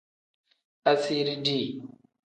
Asiiri dii.